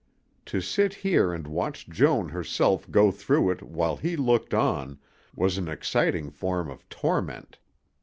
To sit here and watch Joan herself go through it, while he looked on, was an exciting form of torment.